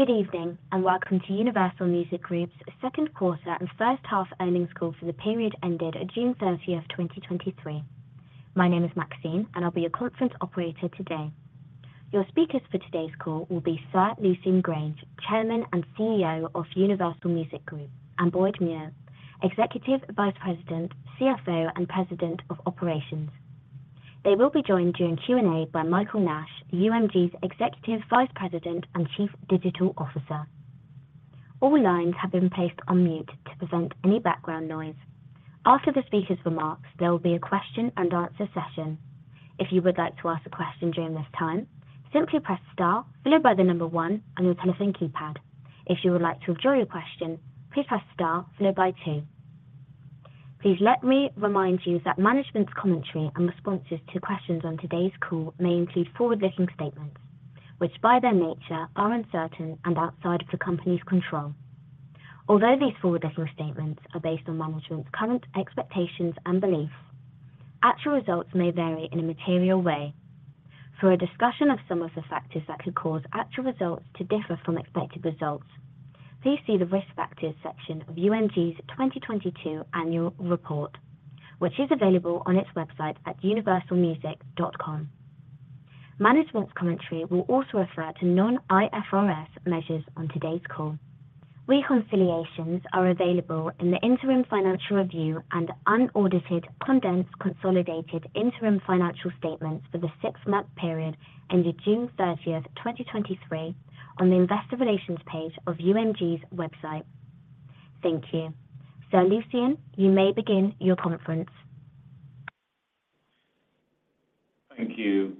Good evening, and welcome to Universal Music Group's second quarter and first half earnings call for the period ended June 30, 2023. My name is Maxine, and I'll be your conference operator today. Your speakers for today's call will be Sir Lucian Grainge, Chairman and CEO of Universal Music Group, and Boyd Muir, Executive Vice President, CFO, and President of Operations. They will be joined during Q&A by Michael Nash, UMG's Executive Vice President and Chief Digital Officer. All lines have been placed on mute to prevent any background noise. After the speakers' remarks, there will be a question-and-answer session. If you would like to ask a question during this time, simply press star followed by the number one on your telephone pad. If you would like to withdraw your question, please press star followed by two. Please let me remind you that management's commentary and responses to questions on today's call may include forward-looking statements, which, by their nature, are uncertain and outside of the company's control. Although these forward-looking statements are based on management's current expectations and beliefs, actual results may vary in a material way. For a discussion of some of the factors that could cause actual results to differ from expected results, please see the Risk Factors section of UMG's 2022 annual report, which is available on its website at universalmusic.com. Management's commentary will also refer to non-IFRS measures on today's call. Reconciliations are available in the interim financial review and unaudited, condensed, consolidated interim financial statements for the six-month period ended June 30, 2023, on the investor relations page of UMG's website. Thank you. Sir Lucian, you may begin your conference. Thank you.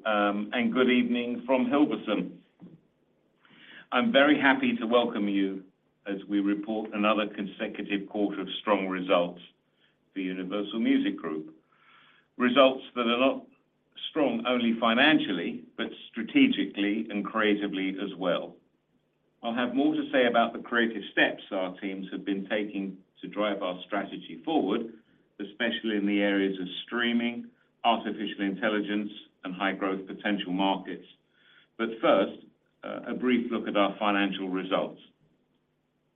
Good evening from Hilversum. I'm very happy to welcome you as we report another consecutive quarter of strong results for Universal Music Group. Results that are not strong only financially, but strategically and creatively as well. I'll have more to say about the creative steps our teams have been taking to drive our strategy forward, especially in the areas of streaming, artificial intelligence, and high-growth potential markets. First, a brief look at our financial results.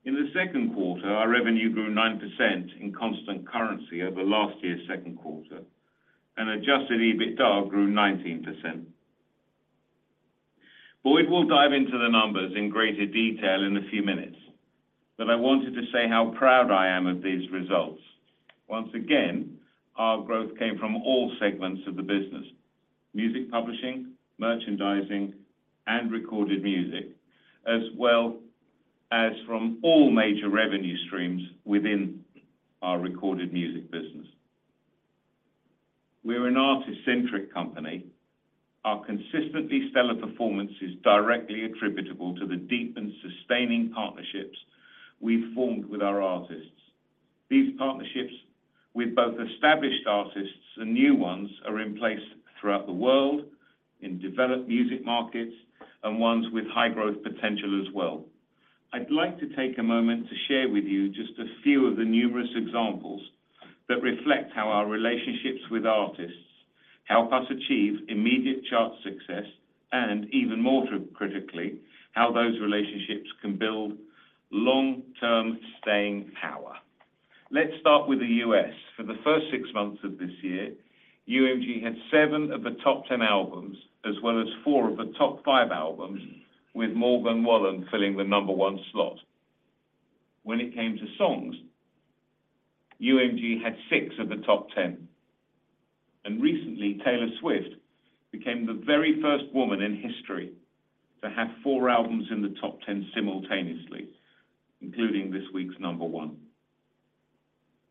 In the second quarter, our revenue grew 9% in constant currency over last year's second quarter, and adjusted EBITDA grew 19%. Boyd will dive into the numbers in greater detail in a few minutes, but I wanted to say how proud I am of these results. Once again, our growth came from all segments of the business: Music Publishing, Merchandising, and Recorded Music, as well as from all major revenue streams within our Recorded Music business. We're an artist-centric company. Our consistently stellar performance is directly attributable to the deep and sustaining partnerships we've formed with our artists. These partnerships with both established artists and new ones, are in place throughout the world, in developed music markets and ones with high-growth potential as well. I'd like to take a moment to share with you just a few of the numerous examples that reflect how our relationships with artists help us achieve immediate chart success, and even more critically, how those relationships can build long-term staying power. Let's start with the U.S. For the first 6 months of this year, UMG had 7 of the top 10 albums, as well as 4 of the top 5 albums, with Morgan Wallen filling the number 1 slot. When it came to songs, UMG had 6 of the top 10, and recently, Taylor Swift became the very first woman in history to have 4 albums in the top 10 simultaneously, including this week's number 1.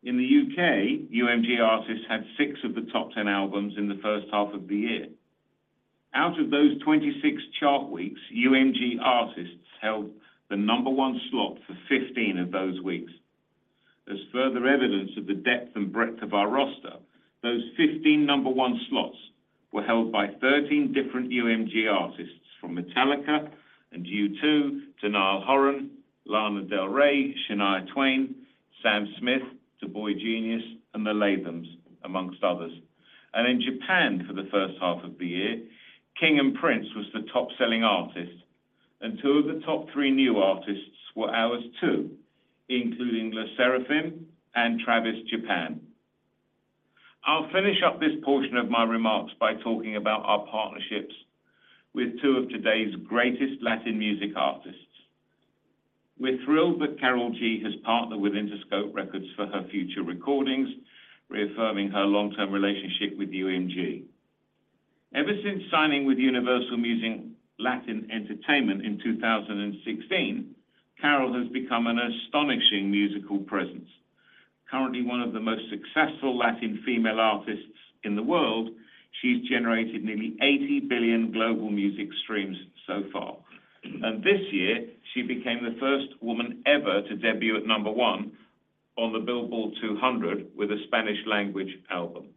In the U.K., UMG artists had 6 of the top 10 albums in the first half of the year. Out of those 26 chart weeks, UMG artists held the number 1 slot for 15 of those weeks. As further evidence of the depth and breadth of our roster, those 15 number one slots were held by 13 different UMG artists, from Metallica and U2 to Niall Horan, Lana Del Rey, Shania Twain, Sam Smith to boygenius and The Lathums, amongst others. In Japan, for the first half of the year, King & Prince was the top-selling artist, and two of the top three new artists were ours, too, including LE SSERAFIM and Travis Japan. I'll finish up this portion of my remarks by talking about our partnerships with two of today's greatest Latin music artists. We're thrilled that Karol G has partnered with Interscope Records for her future recordings, reaffirming her long-term relationship with UMG. Ever since signing with Universal Music Latin Entertainment in 2016, Karol has become an astonishing musical presence. Currently, one of the most successful Latin female artists in the world, she's generated nearly 80 billion global music streams so far. This year, she became the first woman ever to debut at number one on the Billboard 200 with a Spanish language album.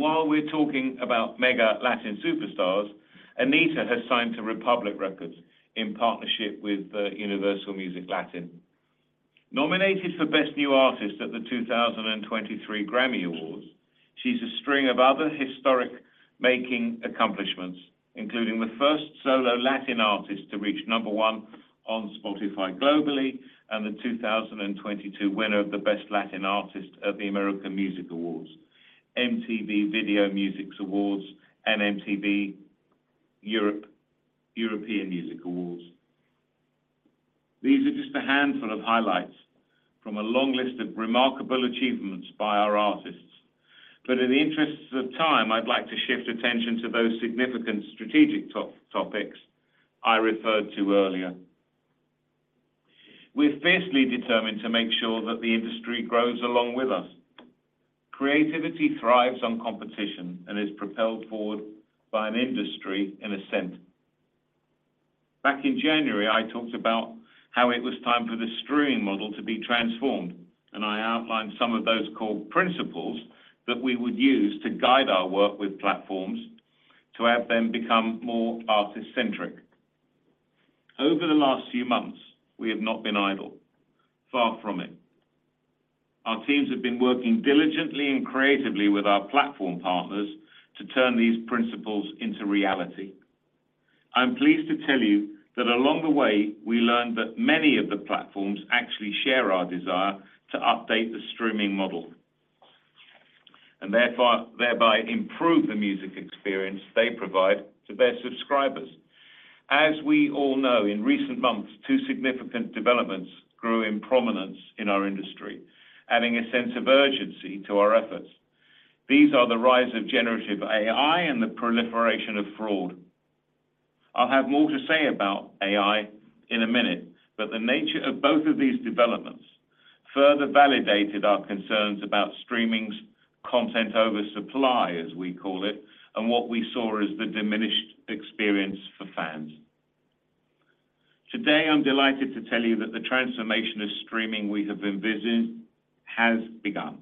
While we're talking about mega Latin superstars, Anitta has signed to Republic Records in partnership with Universal Music Latin. Nominated for Best New Artist at the 2023 Grammy Awards, she's a string of other historic making accomplishments, including the first solo Latin artist to reach number one on Spotify globally and the 2022 winner of the Best Latin Artist at the American Music Awards, MTV Video Music Awards, and MTV Europe Music Awards. These are just a handful of highlights from a long list of remarkable achievements by our artists. In the interests of time, I'd like to shift attention to those significant strategic topics I referred to earlier. We're fiercely determined to make sure that the industry grows along with us. Creativity thrives on competition and is propelled forward by an industry in ascent. Back in January, I talked about how it was time for the streaming model to be transformed, and I outlined some of those core principles that we would use to guide our work with platforms to have them become more artist-centric. Over the last few months, we have not been idle. Far from it. Our teams have been working diligently and creatively with our platform partners to turn these principles into reality. I'm pleased to tell you that along the way, we learned that many of the platforms actually share our desire to update the streaming model, and therefore, thereby improve the music experience they provide to their subscribers. As we all know, in recent months, two significant developments grew in prominence in our industry, adding a sense of urgency to our efforts. These are the rise of generative AI and the proliferation of fraud. I'll have more to say about AI in a minute, but the nature of both of these developments further validated our concerns about streaming's content oversupply, as we call it, and what we saw as the diminished experience for fans. Today, I'm delighted to tell you that the transformation of streaming we have envisioned has begun.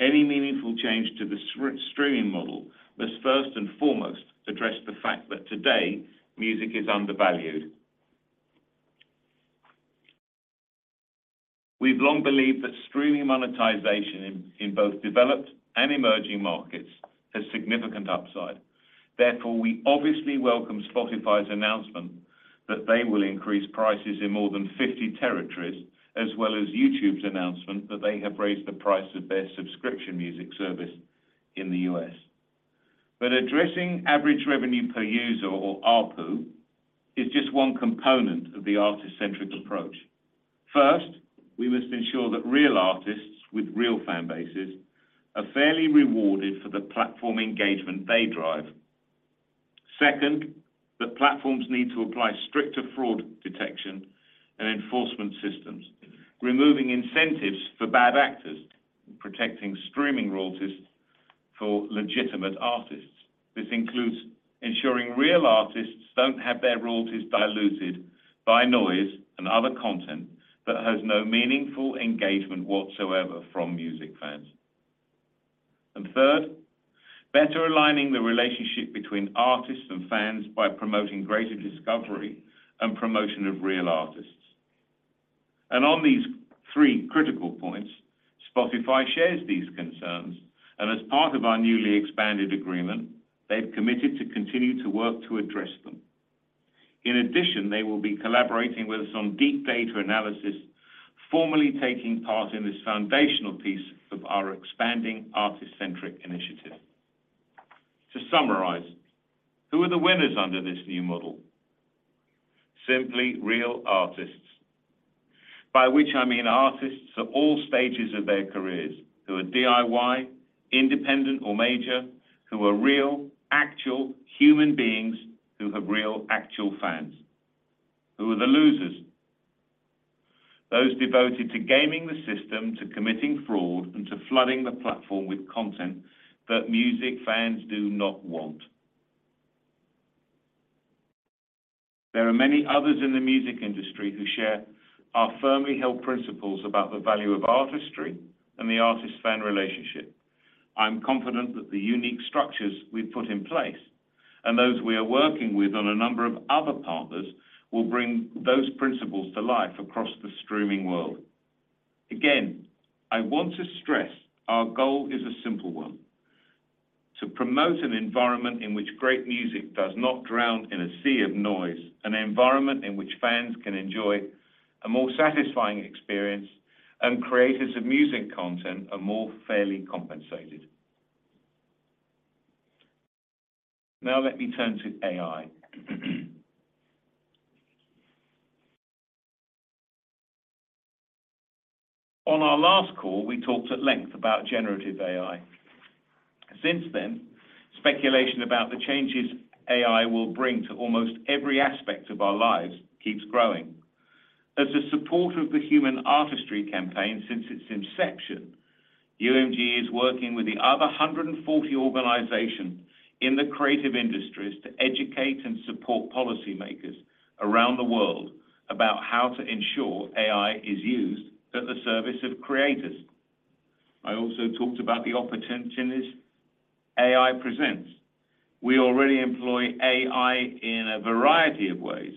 Any meaningful change to the streaming model must first and foremost address the fact that today, music is undervalued. We've long believed that streaming monetization in both developed and emerging markets has significant upside. Therefore, we obviously welcome Spotify's announcement that they will increase prices in more than 50 territories, as well as YouTube's announcement that they have raised the price of their subscription music service in the U.S. But addressing average revenue per user, or ARPU, is just one component of the artist-centric approach. First, we must ensure that real artists with real fan bases are fairly rewarded for the platform engagement they drive. Second, the platforms need to apply stricter fraud detection and enforcement systems, removing incentives for bad actors and protecting streaming royalties for legitimate artists. This includes ensuring real artists don't have their royalties diluted by noise and other content that has no meaningful engagement whatsoever from music fans. Third, better aligning the relationship between artists and fans by promoting greater discovery and promotion of real artists. On these three critical points, Spotify shares these concerns, and as part of our newly expanded agreement, they've committed to continue to work to address them. In addition, they will be collaborating with us on deep data analysis, formally taking part in this foundational piece of our expanding artist-centric initiative. To summarize, who are the winners under this new model? Simply, real artists, by which I mean artists at all stages of their careers, who are DIY, independent, or major, who are real, actual human beings, who have real, actual fans. Who are the losers? Those devoted to gaming the system, to committing fraud, and to flooding the platform with content that music fans do not want. There are many others in the music industry who share our firmly held principles about the value of artistry and the artist-fan relationship. I'm confident that the unique structures we've put in place and those we are working with on a number of other partners, will bring those principles to life across the streaming world. I want to stress our goal is a simple one: to promote an environment in which great music does not drown in a sea of noise, an environment in which fans can enjoy a more satisfying experience and creators of music content are more fairly compensated. Let me turn to AI. On our last call, we talked at length about generative AI. Speculation about the changes AI will bring to almost every aspect of our lives keeps growing. As a supporter of the Human Artistry Campaign since its inception, UMG is working with the other 140 organizations in the creative industries to educate and support policymakers around the world about how to ensure AI is used at the service of creators. I also talked about the opportunities AI presents. We already employ AI in a variety of ways,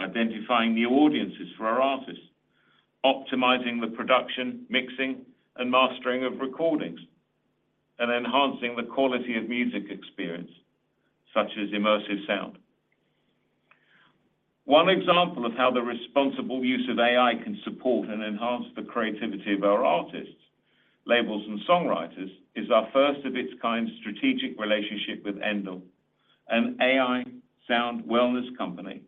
identifying new audiences for our artists, optimizing the production, mixing, and mastering of recordings, and enhancing the quality of music experience, such as immersive sound. One example of how the responsible use of AI can support and enhance the creativity of our artists, labels, and songwriters, is our first-of-its-kind strategic relationship with Endel, an AI sound wellness company.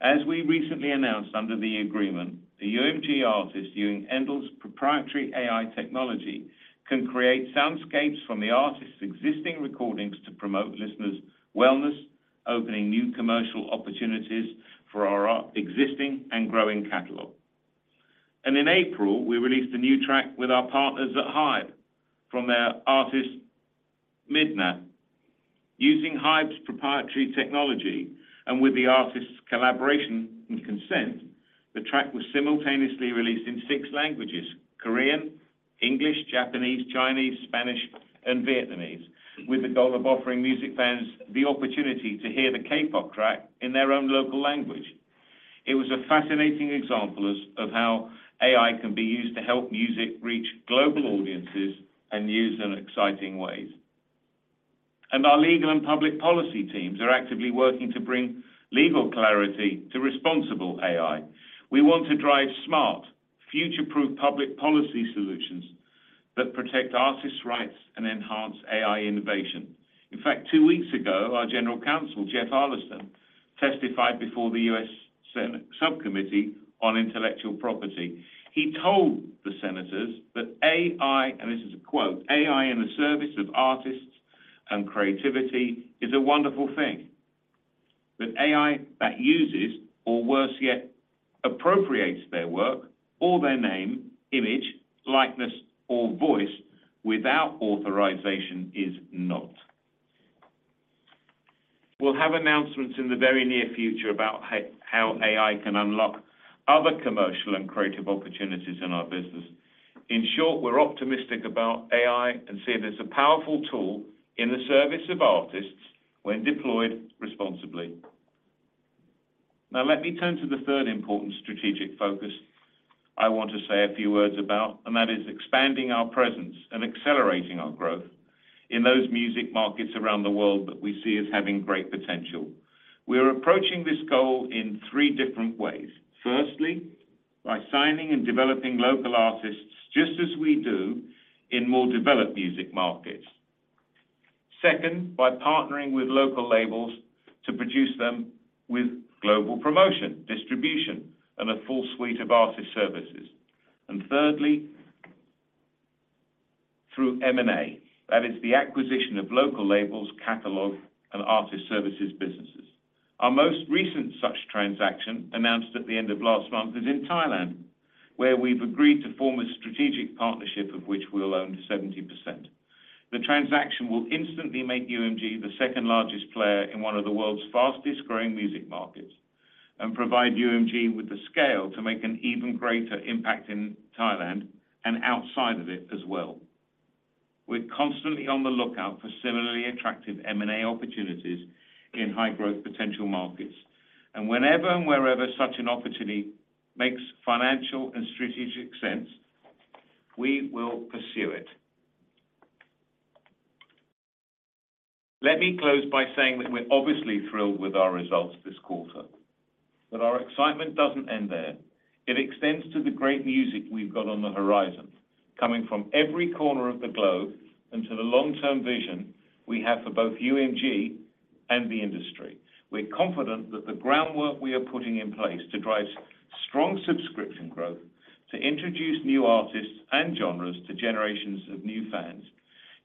As we recently announced, under the agreement, the UMG artists using Endel's proprietary AI technology can create soundscapes from the artist's existing recordings to promote listeners' wellness, opening new commercial opportunities for our existing and growing catalog. In April, we released a new track with our partners at Hybe from their artist MIDNATT. Using Hybe's proprietary technology and with the artist's collaboration and consent, the track was simultaneously released in 6 languages: Korean, English, Japanese, Chinese, Spanish, and Vietnamese, with the goal of offering music fans the opportunity to hear the K-pop track in their own local language. It was a fascinating example of how AI can be used to help music reach global audiences and used in exciting ways. Our legal and public policy teams are actively working to bring legal clarity to responsible AI. We want to drive smart, future-proof public policy solutions that protect artists' rights and enhance AI innovation. In fact, 2 weeks ago, our General Counsel, Jeffrey Harleston, testified before the US Senate Judiciary Subcommittee on Intellectual Property. He told the senators that AI, and this is a quote, "AI in the service of artists and creativity is a wonderful thing, but AI that uses, or worse yet, appropriates their work or their name, image, likeness, or voice without authorization is not." We'll have announcements in the very near future about how AI can unlock other commercial and creative opportunities in our business. In short, we're optimistic about AI and see it as a powerful tool in the service of artists when deployed responsibly. Now, let me turn to the third important strategic focus I want to say a few words about, and that is expanding our presence and accelerating our growth in those music markets around the world that we see as having great potential. We are approaching this goal in three different ways. Firstly, by signing and developing local artists, just as we do in more developed music markets. Second, by partnering with local labels to produce them with global promotion, distribution, and a full suite of artist services. Thirdly, through M&A. That is the acquisition of local labels, catalog, and artist services businesses. Our most recent such transaction, announced at the end of last month, is in Thailand, where we've agreed to form a strategic partnership, of which we'll own 70%. The transaction will instantly make UMG the second-largest player in one of the world's fastest-growing music markets and provide UMG with the scale to make an even greater impact in Thailand and outside of it as well. We're constantly on the lookout for similarly attractive M&A opportunities in high-growth potential markets. Whenever and wherever such an opportunity makes financial and strategic sense, we will pursue it. Let me close by saying that we're obviously thrilled with our results this quarter. Our excitement doesn't end there. It extends to the great music we've got on the horizon, coming from every corner of the globe, to the long-term vision we have for both UMG and the industry. We're confident that the groundwork we are putting in place to drive strong subscription growth, to introduce new artists and genres to generations of new fans,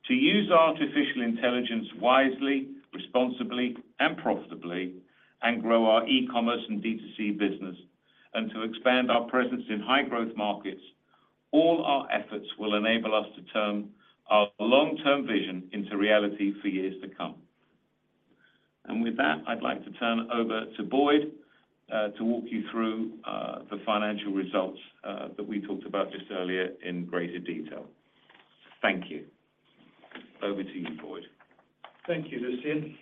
to use artificial intelligence wisely, responsibly, and profitably, and grow our e-commerce and D2C business, and to expand our presence in high-growth markets, all our efforts will enable us to turn our long-term vision into reality for years to come. With that, I'd like to turn over to Boyd, to walk you through the financial results that we talked about just earlier in greater detail. Thank you. Over to you, Boyd. Thank you, Lucian.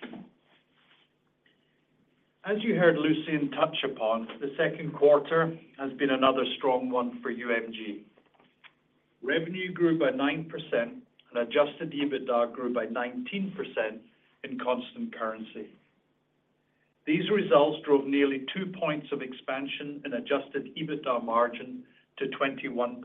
As you heard Lucian touch upon, the second quarter has been another strong one for UMG. Revenue grew by 9% and adjusted EBITDA grew by 19% in constant currency. These results drove nearly 2 points of expansion in adjusted EBITDA margin to 21.9%.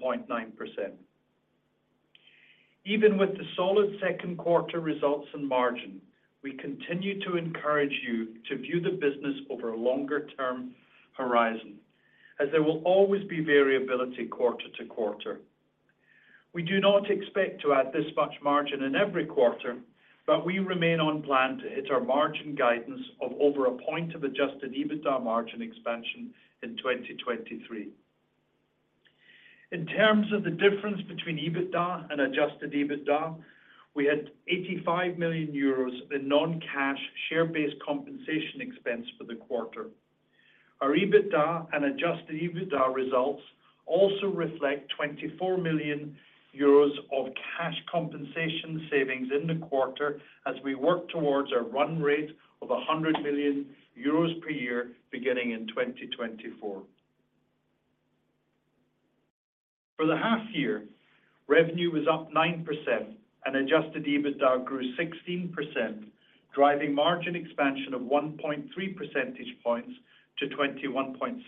Even with the solid second quarter results and margin, we continue to encourage you to view the business over a longer-term horizon, as there will always be variability quarter to quarter. We do not expect to add this much margin in every quarter, but we remain on plan to hit our margin guidance of over 1 point of adjusted EBITDA margin expansion in 2023. In terms of the difference between EBITDA and adjusted EBITDA, we had 85 million euros in non-cash, share-based compensation expense for the quarter. Our EBITDA and adjusted EBITDA results also reflect 24 million euros of cash compensation savings in the quarter, as we work towards a run rate of 100 million euros per year, beginning in 2024. For the half year, revenue was up 9%, and adjusted EBITDA grew 16%, driving margin expansion of 1.3 percentage points to 21.6%.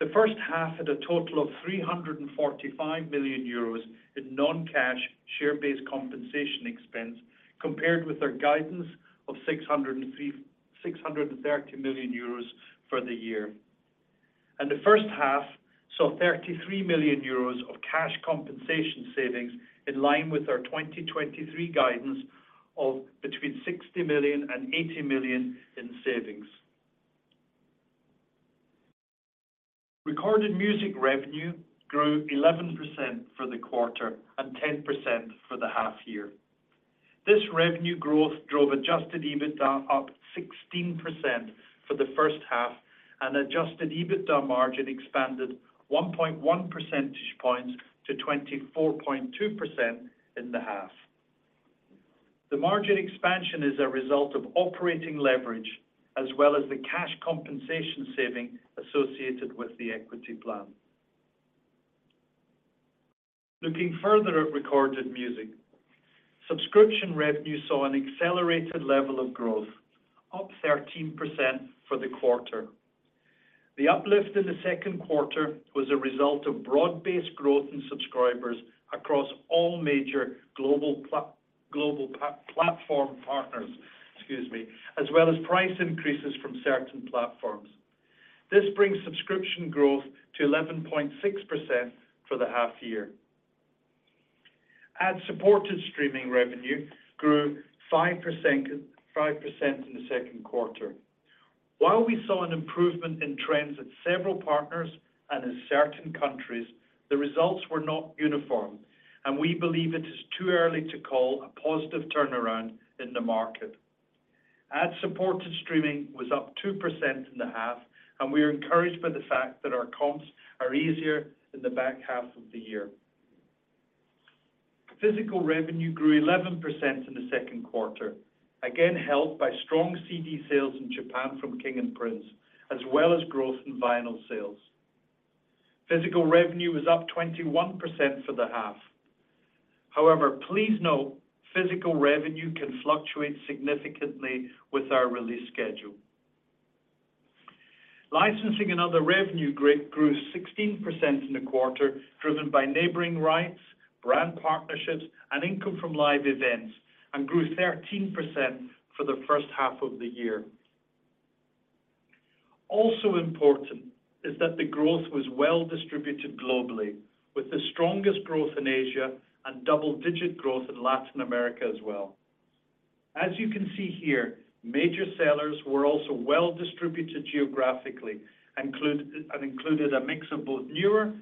The first half had a total of 345 million euros in non-cash share-based compensation expense, compared with our guidance of 630 million euros for the year. The first half saw 33 million euros of cash compensation savings in line with our 2023 guidance of between 60 million and 80 million in savings. Recorded Music revenue grew 11% for the quarter and 10% for the half year. This revenue growth drove adjusted EBITDA up 16% for the first half, and adjusted EBITDA margin expanded 1.1 percentage points to 24.2% in the half. The margin expansion is a result of operating leverage, as well as the cash compensation saving associated with the equity plan. Looking further at Recorded Music, subscription revenue saw an accelerated level of growth, up 13% for the quarter. The uplift in the second quarter was a result of broad-based growth in subscribers across all major global platform partners, excuse me, as well as price increases from certain platforms. This brings subscription growth to 11.6% for the half year. Ad-supported streaming revenue grew 5% in the second quarter. While we saw an improvement in trends at several partners and in certain countries, the results were not uniform, and we believe it is too early to call a positive turnaround in the market. Ad-supported streaming was up 2% in the half, and we are encouraged by the fact that our comps are easier in the back half of the year. Physical revenue grew 11% in the second quarter, again, helped by strong CD sales in Japan from King & Prince, as well as growth in vinyl sales. Physical revenue is up 21% for the half. Please note, physical revenue can fluctuate significantly with our release schedule. Licensing and other revenue grew 16% in the quarter, driven by neighboring rights, brand partnerships, and income from live events, and grew 13% for the first half of the year. Also important, is that the growth was well-distributed globally, with the strongest growth in Asia and double-digit growth in Latin America as well. As you can see here, major sellers were also well-distributed geographically, included a mix of both newer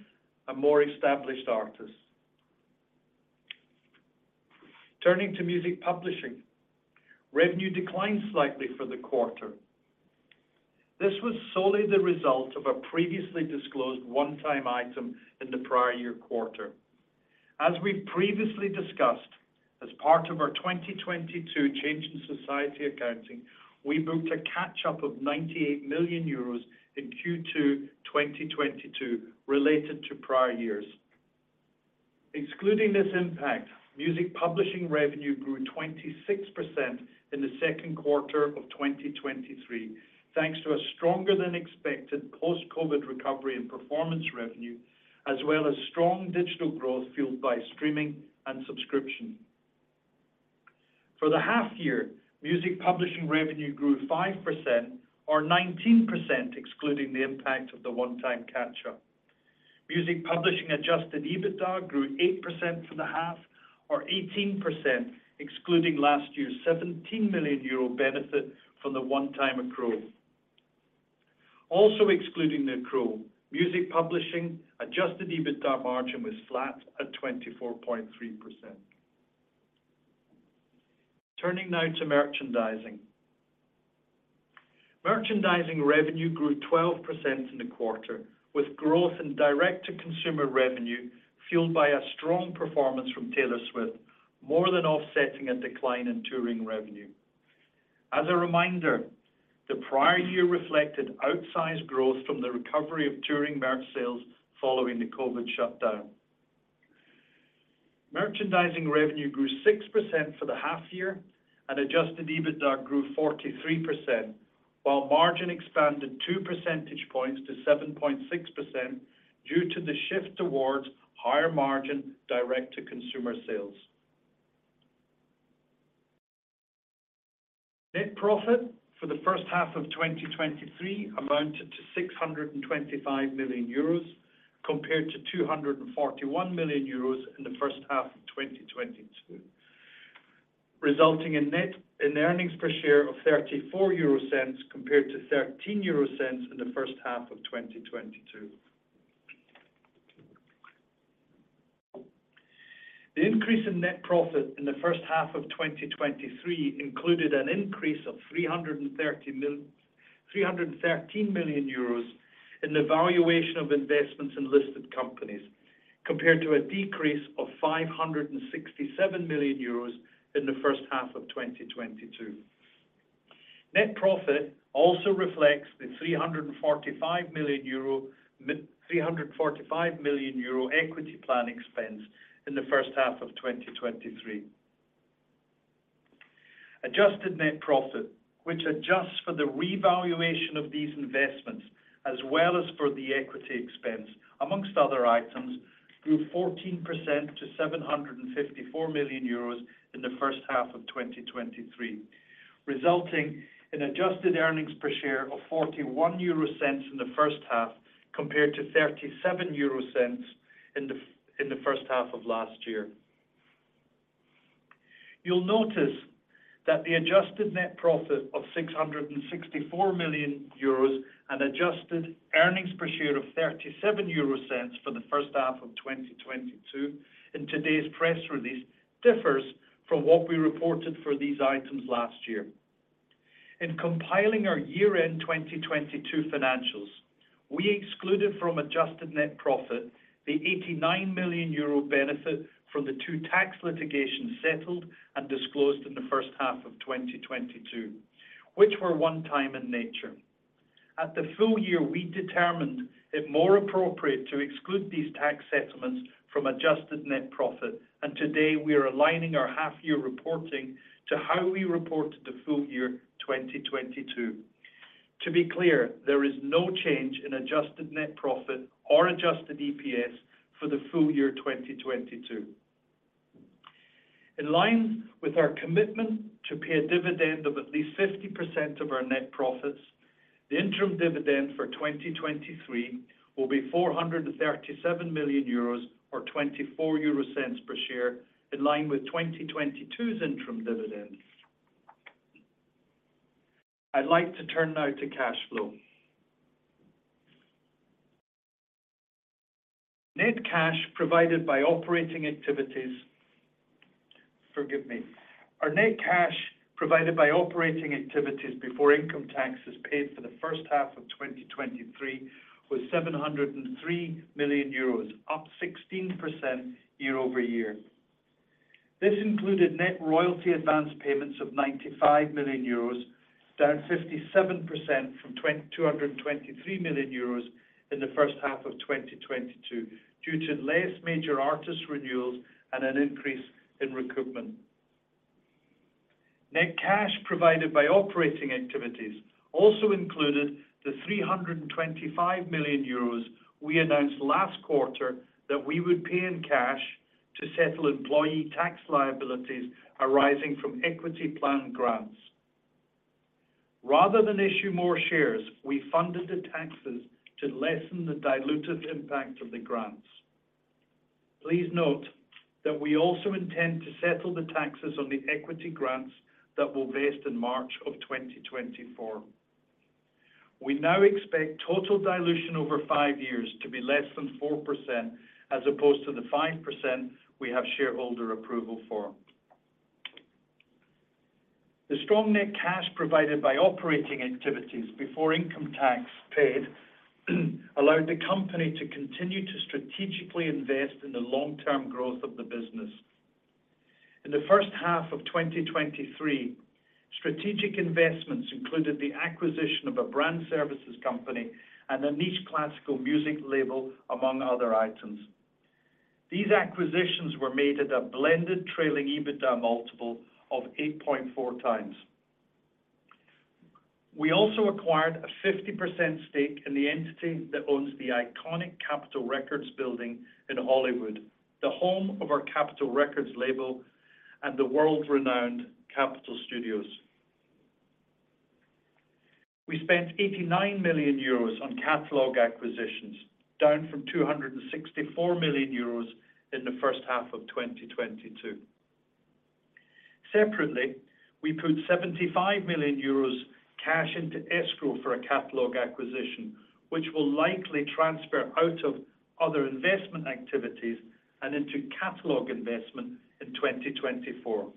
and more established artists. Turning to Music Publishing. Revenue declined slightly for the quarter. This was solely the result of a previously disclosed one-time item in the prior year quarter. As we've previously discussed, as part of our 2022 change in society accounting, we booked a catch-up of 98 million euros in Q2 2022, related to prior years. Excluding this impact, Music Publishing revenue grew 26% in the second quarter of 2023, thanks to a stronger-than-expected post-COVID recovery and performance revenue, as well as strong digital growth fueled by streaming and subscription. For the half year, Music Publishing revenue grew 5%, or 19%, excluding the impact of the one-time catch-up. Music Publishing adjusted EBITDA grew 8% for the half, or 18%, excluding last year's 17 million euro benefit from the one-time accrual. Also excluding the accrual, Music Publishing adjusted EBITDA margin was flat at 24.3%. Turning now to Merchandising. Merchandising revenue grew 12% in the quarter, with growth in direct-to-consumer revenue, fueled by a strong performance from Taylor Swift, more than offsetting a decline in touring revenue. As a reminder, the prior year reflected outsized growth from the recovery of touring merch sales following the COVID shutdown. Merchandising revenue grew 6% for the half year, and adjusted EBITDA grew 43%, while margin expanded 2 percentage points to 7.6%, due to the shift towards higher-margin, direct-to-consumer sales. Net profit for the first half of 2023 amounted to 625 million euros, compared to 241 million euros in the first half of 2022, resulting in earnings per share of 0.34 compared to 0.13 in the first half of 2022. The increase in net profit in the first half of 2023 included an increase of 313 million euros in the valuation of investments in listed companies, compared to a decrease of 567 million euros in the first half of 2022. Net profit also reflects the 345 million euro equity plan expense in the first half of 2023. Adjusted net profit, which adjusts for the revaluation of these investments, as well as for the equity expense, amongst other items, grew 14% to 754 million euros in the first half of 2023, resulting in adjusted earnings per share of 0.41 in the first half, compared to 0.37 in the first half of last year. You'll notice that the adjusted net profit of 664 million euros and adjusted earnings per share of 0.37 for the first half of 2022 in today's press release, differs from what we reported for these items last year. In compiling our year-end 2022 financials, we excluded from adjusted net profit the 89 million euro benefit from the two tax litigations settled and disclosed in the first half of 2022, which were one time in nature. At the full year, we determined it more appropriate to exclude these tax settlements from adjusted net profit. Today we are aligning our half-year reporting to how we reported the full year 2022. To be clear, there is no change in adjusted net profit or adjusted EPS for the full year 2022. In line with our commitment to pay a dividend of at least 50% of our net profits, the interim dividend for 2023 will be 437 million euros or 0.24 per share, in line with 2022's interim dividend. I'd like to turn now to cash flow. Our net cash provided by operating activities before income taxes paid for the first half of 2023 was 703 million euros, up 16% year-over-year. This included net royalty advance payments of 95 million euros, down 57% from 223 million euros in the first half of 2022, due to less major artist renewals and an increase in recoupment. Net cash provided by operating activities also included the 325 million euros we announced last quarter that we would pay in cash to settle employee tax liabilities arising from equity plan grants. Rather than issue more shares, we funded the taxes to lessen the dilutive impact of the grants. Please note that we also intend to settle the taxes on the equity grants that will vest in March of 2024. We now expect total dilution over 5 years to be less than 4%, as opposed to the 5% we have shareholder approval for. The strong net cash provided by operating activities before income tax paid, allowed the company to continue to strategically invest in the long-term growth of the business. In the first half of 2023, strategic investments included the acquisition of a brand services company and a niche classical music label, among other items. These acquisitions were made at a blended trailing EBITDA multiple of 8.4x. We also acquired a 50% stake in the entity that owns the iconic Capitol Records building in Hollywood, the home of our Capitol Records label and the world-renowned Capitol Studios. We spent 89 million euros on catalog acquisitions, down from 264 million euros in the first half of 2022. Separately, we put 75 million euros cash into escrow for a catalog acquisition, which will likely transfer out of other investment activities and into catalog investment in 2024.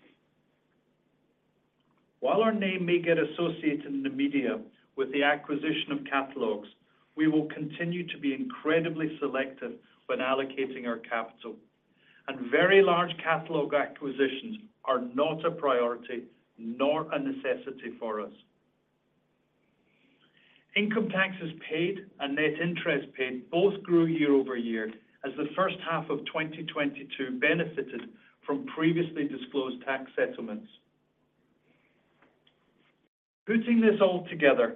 While our name may get associated in the media with the acquisition of catalogs, we will continue to be incredibly selective when allocating our capital, and very large catalog acquisitions are not a priority, nor a necessity for us. Income taxes paid and net interest paid both grew year-over-year, as the first half of 2022 benefited from previously disclosed tax settlements. Putting this all together,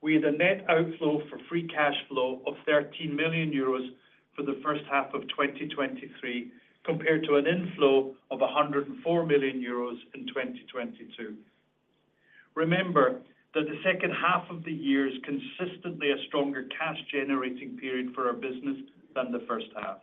we had a net outflow for free cash flow of 13 million euros for the first half of 2023, compared to an inflow of 104 million euros in 2022. Remember that the second half of the year is consistently a stronger cash-generating period for our business than the first half.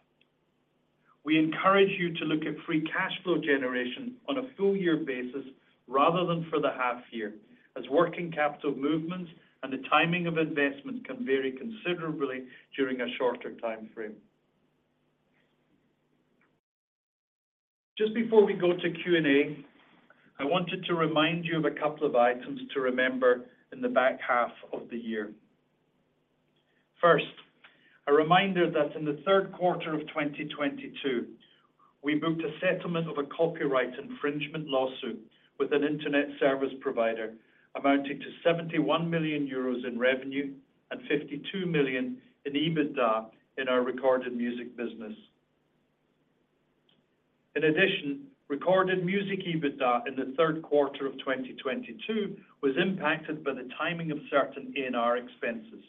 We encourage you to look at free cash flow generation on a full year basis rather than for the half year, as working capital movements and the timing of investments can vary considerably during a shorter time frame. Just before we go to Q&A, I wanted to remind you of a couple of items to remember in the back half of the year. First, a reminder that in the third quarter of 2022, we booked a settlement of a copyright infringement lawsuit with an internet service provider, amounting to 71 million euros in revenue and 52 million in EBITDA in our Recorded Music business. Recorded Music EBITDA in the third quarter of 2022 was impacted by the timing of certain A&R expenses.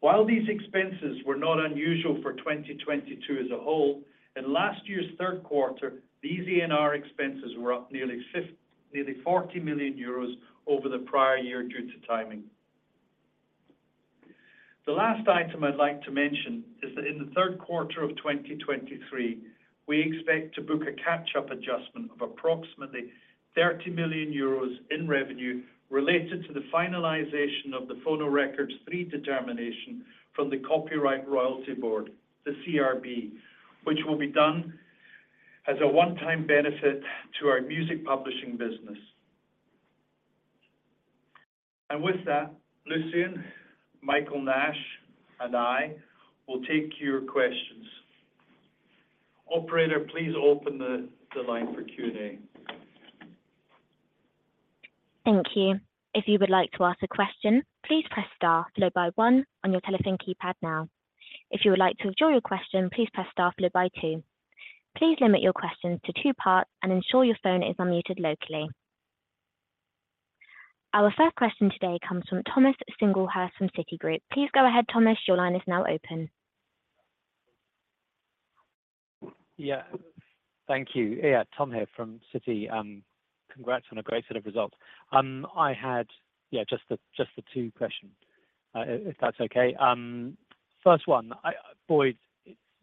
While these expenses were not unusual for 2022 as a whole, in last year's third quarter, these A&R expenses were up nearly 40 million euros over the prior year due to timing. The last item I'd like to mention is that in the third quarter of 2023, we expect to book a catch-up adjustment of approximately 30 million euros in revenue related to the finalization of the Phonorecords III determination from the Copyright Royalty Board, the CRB, which will be done as a one-time benefit to our Music Publishing business. With that, Lucian, Michael Nash, and I will take your questions. Operator, please open the line for Q&A. Thank you. If you would like to ask a question, please press star followed by one on your telephone keypad now. If you would like to withdraw your question, please press star followed by two. Please limit your questions to two parts and ensure your phone is unmuted locally. Our first question today comes from Thomas Singlehurst from Citigroup. Please go ahead, Thomas. Your line is now open. Thank you. Tom here from Citi. Congrats on a great set of results. I had just the two question if that's okay. First one, Boyd,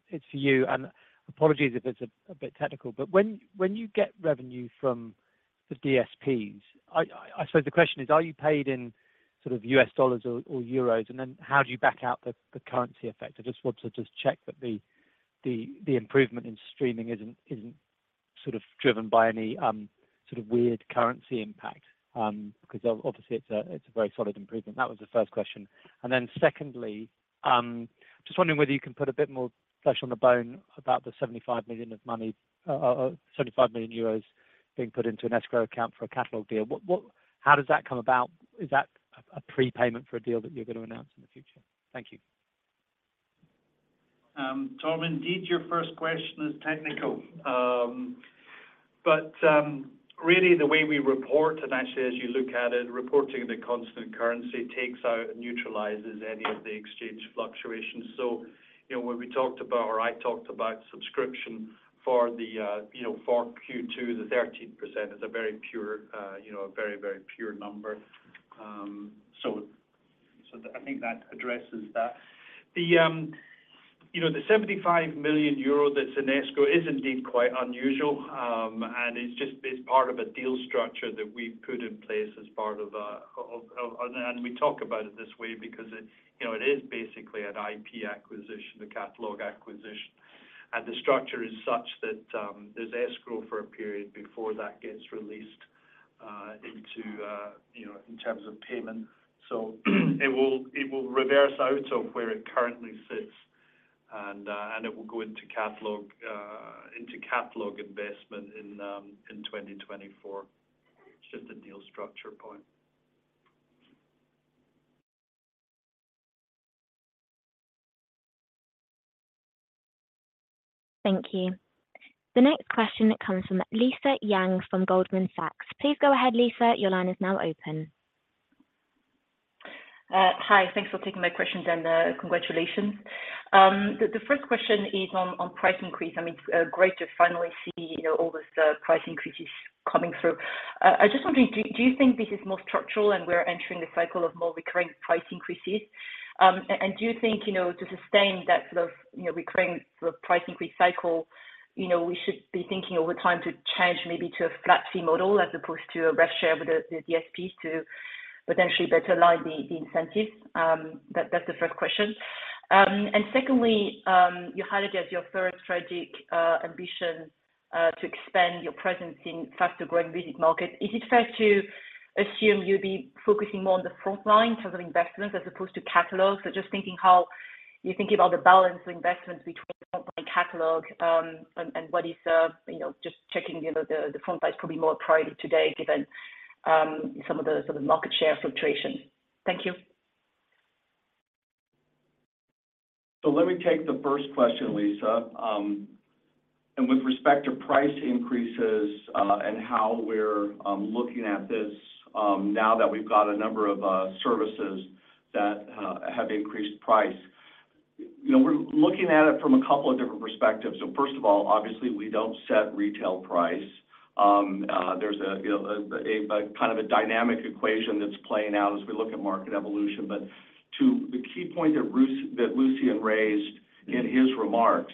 it's for you, and apologies if it's a bit technical, but when you get revenue from the DSPs, I suppose the question is, are you paid in sort of US dollars or euros? How do you back out the currency effect? I just want to check that the improvement in streaming isn't sort of driven by any sort of weird currency impact because obviously, it's a very solid improvement. That was the first question. Secondly, just wondering whether you can put a bit more flesh on the bone about the 75 million being put into an escrow account for a catalog deal. How does that come about? Is that a prepayment for a deal that you're going to announce in the future? Thank you. Tom, indeed, your first question is technical. Really the way we report, and actually, as you look at it, reporting the constant currency takes out and neutralizes any of the exchange fluctuations. You know, when we talked about, or I talked about subscription for the, you know, for Q2, the 13% is a very pure, you know, a very, very pure number. So I think that addresses that. The, you know, the 75 million euro that's in escrow is indeed quite unusual, and it's just, it's part of a deal structure that we've put in place as part of. We talk about it this way because it, you know, it is basically an IP acquisition, a catalog acquisition, and the structure is such that there's escrow for a period before that gets released into, you know, in terms of payment. It will reverse out of where it currently sits, and it will go into catalog into catalog investment in 2024. It's just a deal structure point. Thank you. The next question comes from Lisa Yang from Goldman Sachs. Please go ahead, Lisa. Your line is now open. Hi, thanks for taking my questions, and congratulations. The first question is on price increase. I mean, it's great to finally see, you know, all these price increases coming through. I just wondering, do you think this is more structural and we're entering a cycle of more recurring price increases? Do you think, you know, to sustain that sort of, you know, recurring sort of price increase cycle, you know, we should be thinking over time to change maybe to a flat fee model as opposed to a rev share with the DSPs to potentially better align the incentives? That's the first question. Secondly, you highlighted as your third strategic ambition to expand your presence in faster-growing music markets. Is it fair to assume you'll be focusing more on the frontline in terms of investments as opposed to catalogs? Just thinking how you think about the balance of investments between frontline catalog, and what is the, you know, just checking, you know, the frontline is probably more priority today given some of the sort of market share fluctuations. Thank you. Let me take the first question, Lisa. With respect to price increases, and how we're looking at this, now that we've got a number of services that have increased price, you know, we're looking at it from a couple of different perspectives. First of all, obviously, we don't set retail price. There's a, you know, a kind of a dynamic equation that's playing out as we look at market evolution. To the key point that Lucian raised in his remarks.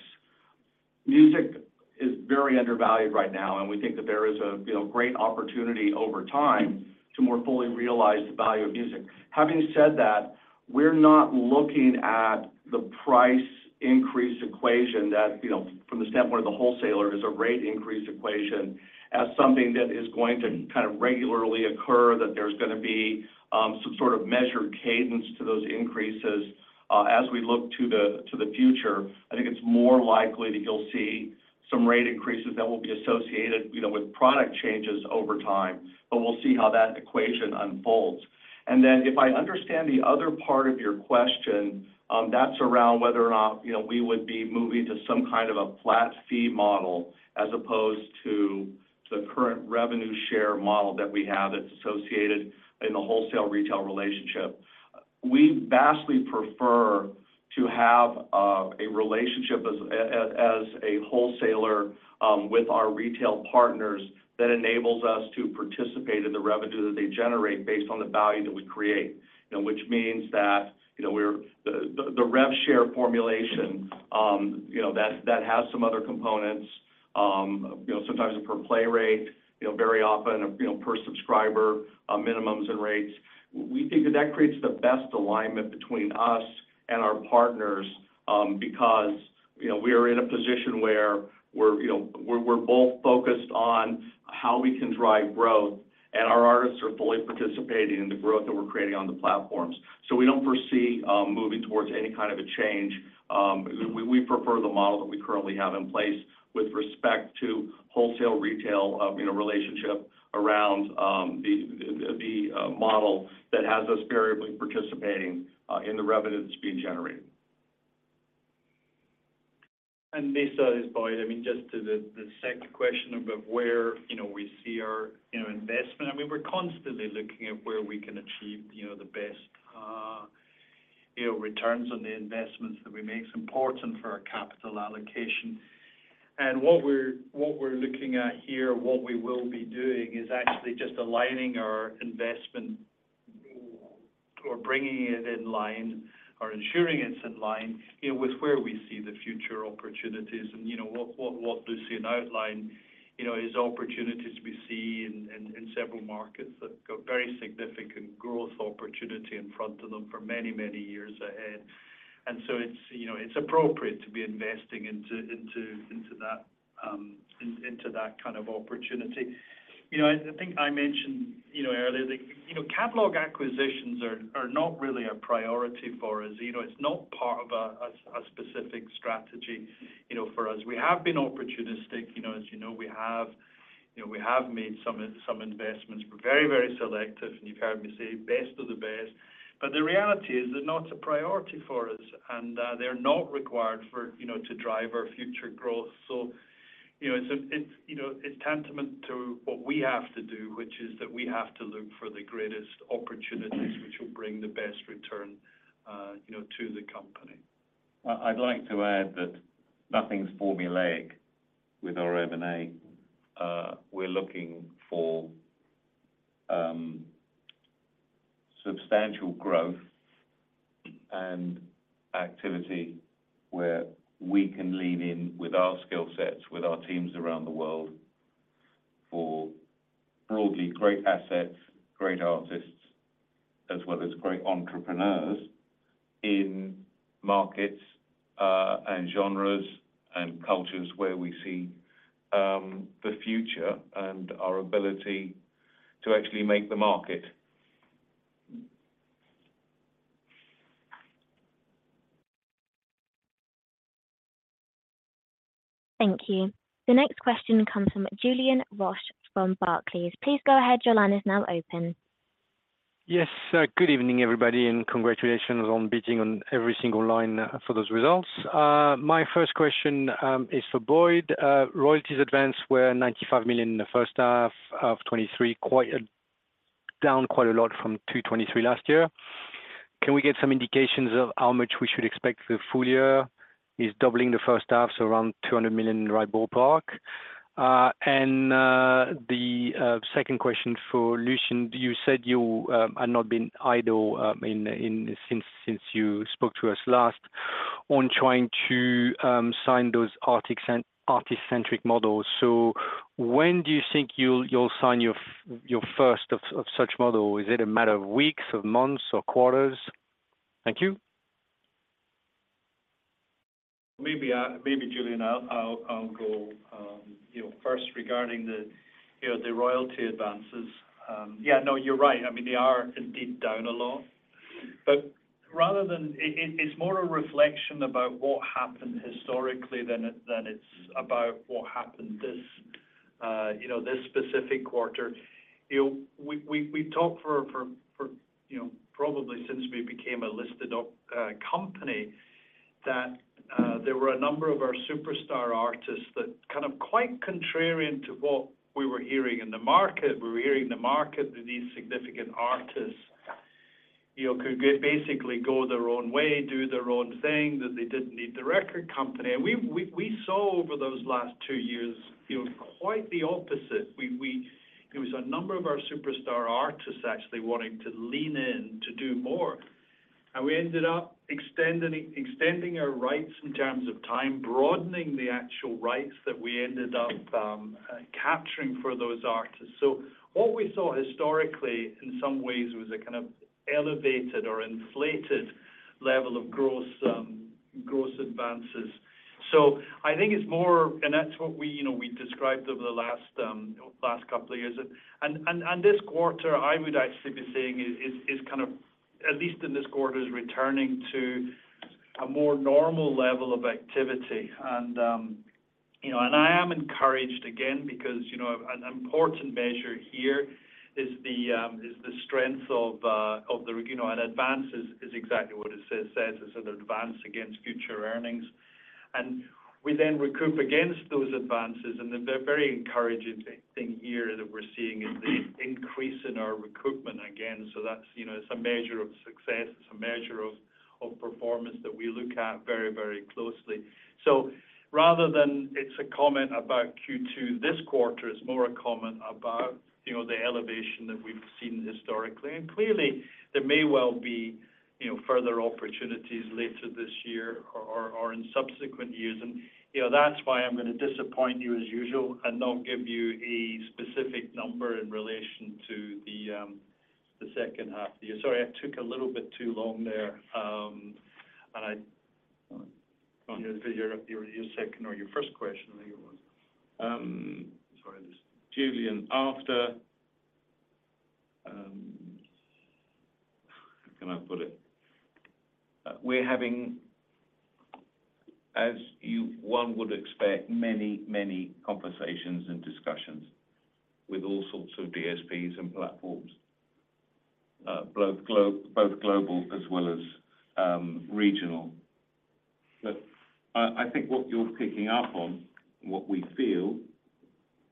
Music is very undervalued right now. We think that there is a, you know, great opportunity over time to more fully realize the value of music. Having said that, we're not looking at the price increase equation that, you know, from the standpoint of the wholesaler, is a rate increase equation, as something that is going to kind of regularly occur, that there's gonna be some sort of measured cadence to those increases. As we look to the future, I think it's more likely that you'll see some rate increases that will be associated, you know, with product changes over time. We'll see how that equation unfolds. If I understand the other part of your question, that's around whether or not, you know, we would be moving to some kind of a flat fee model as opposed to the current revenue share model that we have that's associated in the wholesale-retail relationship. We vastly prefer to have a relationship as a wholesaler with our retail partners that enables us to participate in the revenue that they generate based on the value that we create. You know, which means that, you know, the rev share formulation, you know, that has some other components. You know, sometimes a per play rate, you know, very often, you know, per subscriber minimums and rates. We think that that creates the best alignment between us and our partners, because, you know, we are in a position where we're, you know, we're both focused on how we can drive growth, and our artists are fully participating in the growth that we're creating on the platforms. We don't foresee moving towards any kind of a change. We prefer the model that we currently have in place with respect to wholesale-retail, you know, relationship around the model that has us variably participating in the revenue that's being generated. This is Boyd. I mean, just to the second question about where, you know, we see our, you know, investment, I mean, we're constantly looking at where we can achieve, you know, the best, you know, returns on the investments that we make. It's important for our capital allocation. What we're looking at here, what we will be doing is actually just aligning our investment or bringing it in line or ensuring it's in line, you know, with where we see the future opportunities. You know, what Sir Lucian Grainge outlined, you know, is opportunities we see in several markets that got very significant growth opportunity in front of them for many, many years ahead. It's, you know, it's appropriate to be investing into that kind of opportunity. You know, I think I mentioned, you know, earlier that, you know, catalog acquisitions are not really a priority for us. You know, it's not part of a specific strategy, you know, for us. We have been opportunistic, you know, as you know, we have made some investments. We're very selective, and you've heard me say best of the best. The reality is, they're not a priority for us, and they're not required for, you know, to drive our future growth. You know, it's tantamount to what we have to do, which is that we have to look for the greatest opportunities which will bring the best return, you know, to the company. I'd like to add that nothing's formulaic with our M&A. We're looking for substantial growth and activity where we can lean in with our skill sets, with our teams around the world, for broadly great assets, great artists, as well as great entrepreneurs in markets, and genres and cultures where we see the future and our ability to actually make the market. Thank you. The next question comes from Julien Roch from Barclays. Please go ahead. Your line is now open. Yes. Good evening, everybody, congratulations on beating on every single line for those results. My first question is for Boyd. Royalties advance were 95 million in the first half of 2023, down quite a lot from 223 million last year. Can we get some indications of how much we should expect the full year? Is doubling the first half, so around 200 million in the right ballpark? The second question for Lucian, you said you had not been idle in since you spoke to us last, on trying to sign those artist-centric models. When do you think you'll sign your first of such model? Is it a matter of weeks, or months, or quarters? Thank you. Maybe, maybe Julien, I'll go. You know, first regarding the, you know, the royalty advances. Yeah, no, you're right. I mean, they are indeed down a lot. It's more a reflection about what happened historically than it, than it's about what happened this, you know, this specific quarter. You know, we talked for, you know, probably since we became a listed company, that there were a number of our superstar artists that kind of quite contrarian to what we were hearing in the market. We were hearing in the market that these significant artists, you know, could basically go their own way, do their own thing, that they didn't need the record company. We saw over those last 2 years, you know, quite the opposite. It was a number of our superstar artists actually wanting to lean in to do more. We ended up extending our rights in terms of time, broadening the actual rights that we ended up capturing for those artists. What we saw historically, in some ways, was a kind of elevated or inflated level of gross advances. I think it's more, and that's what we, you know, we described over the last last couple of years. This quarter, I would actually be saying is kind of, at least in this quarter, is returning to a more normal level of activity. I am encouraged again, because, you know, an important measure here is the strength of You know, and advances is exactly what it says. It's an advance against future earnings. We then recoup against those advances. They're very encouraging thing here that we're seeing is the increase in our recoupment again. That's, you know, it's a measure of success. It's a measure of performance that we look at very, very closely. Rather than it's a comment about Q2, this quarter is more a comment about, you know, the elevation that we've seen historically. Clearly, there may well be, you know, further opportunities later this year or in subsequent years. You know, that's why I'm gonna disappoint you as usual and not give you a specific number in relation to the second half of the year. Sorry, I took a little bit too long there. Your second or your first question, I think it was. Sorry, Lucian. How can I put it? We're having, as you one would expect, many, many conversations and discussions with all sorts of DSPs and platforms, globe, both global as well as regional. I think what you're picking up on, what we feel,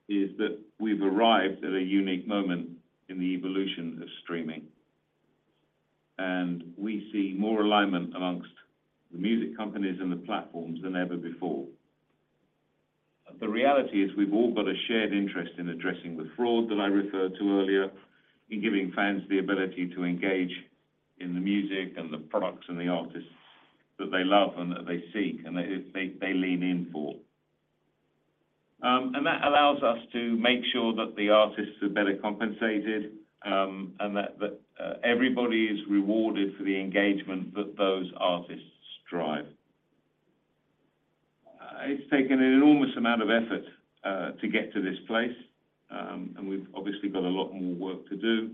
is that we've arrived at a unique moment in the evolution of streaming, and we see more alignment amongst the music companies and the platforms than ever before. The reality is we've all got a shared interest in addressing the fraud that I referred to earlier, in giving fans the ability to engage in the music and the products and the artists that they love and that they seek, and that they lean in for. and that allows us to make sure that the artists are better compensated, and that everybody is rewarded for the engagement that those artists drive. It's taken an enormous amount of effort to get to this place, and we've obviously got a lot more work to do,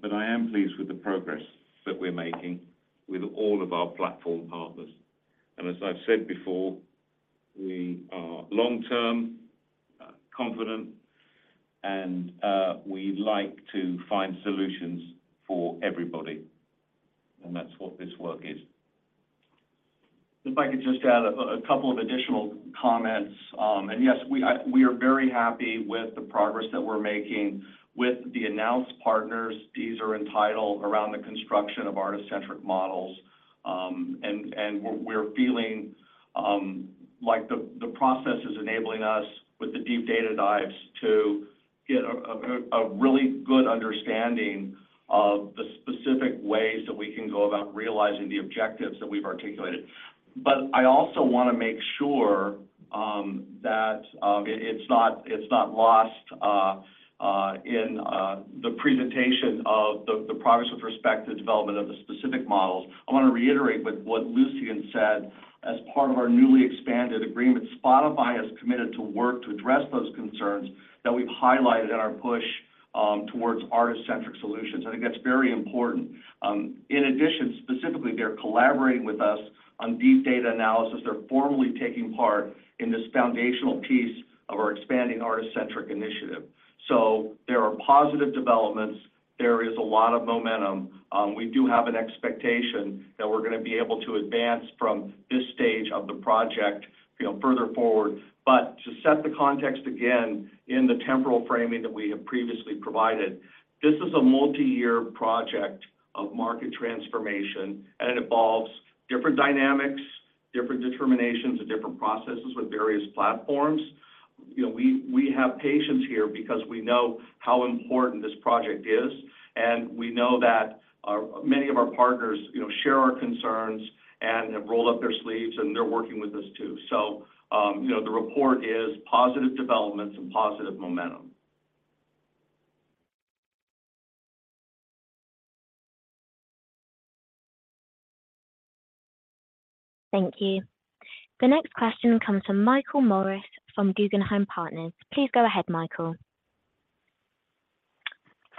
but I am pleased with the progress that we're making with all of our platform partners. As I've said before, we are long-term confident, and we'd like to find solutions for everybody, and that's what this work is. If I could just add a couple of additional comments. Yes, we are very happy with the progress that we're making with the announced partners. These are entitled around the construction of artist-centric models. We're feeling like the process is enabling us with the deep data dives to get a really good understanding of the specific ways that we can go about realizing the objectives that we've articulated. I also want to make sure that it's not lost in the presentation of the progress with respect to the development of the specific models. I want to reiterate what Lucian said. As part of our newly expanded agreement, Spotify has committed to work to address those concerns that we've highlighted in our push towards artist-centric solutions. I think that's very important. In addition, specifically, they're collaborating with us on deep data analysis. They're formally taking part in this foundational piece of our expanding artist-centric initiative. There are positive developments. There is a lot of momentum. We do have an expectation that we're gonna be able to advance from this stage of the project, you know, further forward. To set the context again, in the temporal framing that we have previously provided, this is a multi-year project of market transformation, and it involves different dynamics, different determinations, and different processes with various platforms. You know, we have patience here because we know how important this project is, and we know that many of our partners, you know, share our concerns and have rolled up their sleeves, and they're working with us too. You know, the report is positive developments and positive momentum. Thank you. The next question comes from Michael Morris, from Guggenheim Partners. Please go ahead, Michael.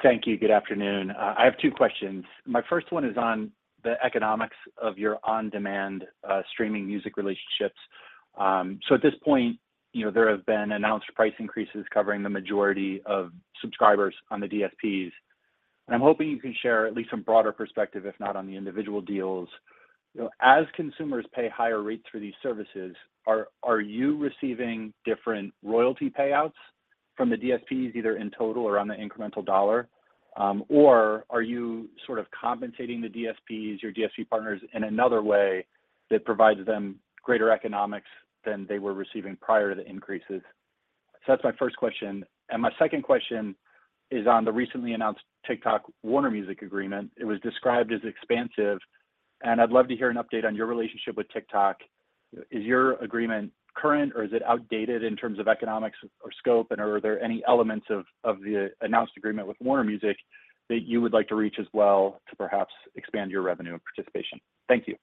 Thank you. Good afternoon. I have two questions. My first one is on the economics of your on-demand streaming music relationships. At this point, you know, there have been announced price increases covering the majority of subscribers on the DSPs, and I'm hoping you can share at least some broader perspective, if not on the individual deals. You know, as consumers pay higher rates for these services, are you receiving different royalty payouts from the DSPs, either in total or on the incremental dollar? Are you sort of compensating the DSPs, your DSP partners, in another way that provides them greater economics than they were receiving prior to the increases? That's my first question. My second question is on the recently announced TikTok Warner Music agreement. It was described as expansive, and I'd love to hear an update on your relationship with TikTok. Is your agreement current, or is it outdated in terms of economics or scope? Are there any elements of the announced agreement with Warner Music that you would like to reach as well to perhaps expand your revenue and participation? Thank you.